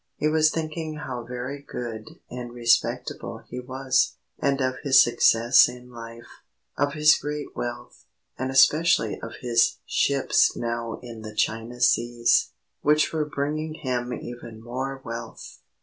He was thinking how very good and respectable he was, and of his success in life, of his great wealth, and especially of his ships now in the China seas, which were bringing him even more wealth.